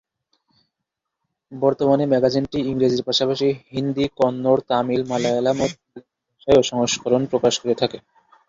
বর্তমানে ম্যাগাজিনটি ইংরেজির পাশাপাশি ইংরেজির পাশাপাশি হিন্দি, কন্নড়, তামিল, মালয়ালম ও তেলুগু ভাষায়ও সংস্করণ প্রকাশ করে থাকে।